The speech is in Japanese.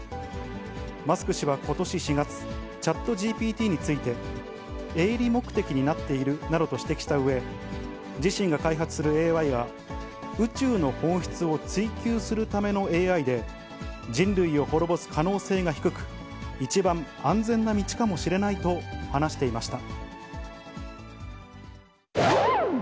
マスク氏はことし４月、チャットＧＰＴについて、営利目的になっているなどと指摘したうえ、自身が開発するＡＩは宇宙の本質を追究するためのＡＩで、人類を滅ぼす可能性が低く、一番安全な道かもしれないと話していました。